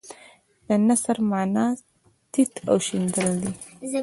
د نثر معنی تیت او شیندل دي.